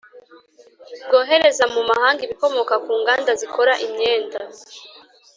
bwohereza mu mahanga ibikomoka ku nganda zikora imyenda,